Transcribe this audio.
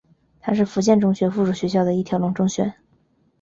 它是福建中学附属学校的一条龙中学。